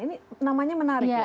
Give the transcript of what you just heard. ini namanya menarik ya